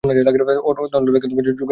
তন্ত্র তাঁকে "যোগের ঈশ্বর" মনে করে।